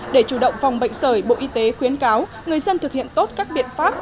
để chủ động phòng bệnh sởi bộ y tế khuyến cáo người dân thực hiện tốt các biện pháp